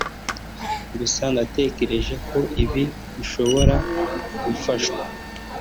gusa natekereje ko ibi bishobora gufasha